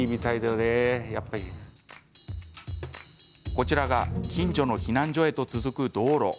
こちらが近所の避難所へと続く道路。